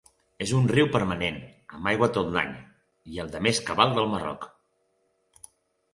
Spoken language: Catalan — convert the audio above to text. És un riu permanent, amb aigua tot l'any, i el de més cabal del Marroc.